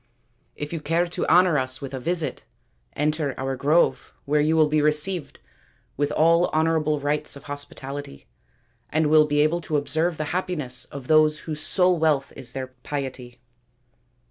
If you care to honour us with a visit, enter our grove, where you will be received with all honourable rites of hospitality, and will be able to observe the happiness of those whose sole wealth is their piety."